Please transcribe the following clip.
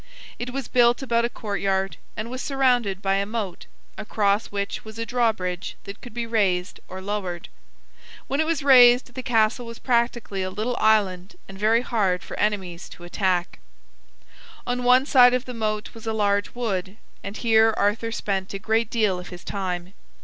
It was built about a courtyard, and was surrounded by a moat, across which was a drawbridge that could be raised or lowered. When it was raised the castle was practically a little island and very hard for enemies to attack. On one side of the moat was a large wood, and here Arthur spent a great deal of his time.